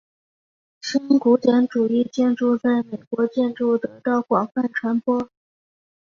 新古典主义建筑在美国建筑得到广泛传播。